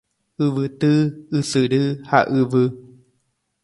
Yvyty, ysyry ha yvy.